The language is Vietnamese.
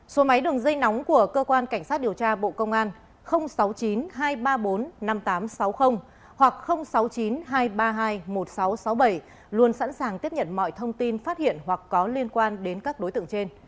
số máy đường dây nóng của cơ quan cảnh sát điều tra bộ công an sáu mươi chín hai trăm ba mươi bốn năm nghìn tám trăm sáu mươi hoặc sáu mươi chín hai trăm ba mươi hai một nghìn sáu trăm sáu mươi bảy luôn sẵn sàng tiếp nhận mọi thông tin phát hiện hoặc có liên quan đến các đối tượng trên